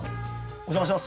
お邪魔します。